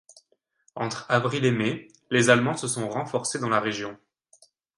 Entre avril et mai, les Allemands se sont renforcés dans la région.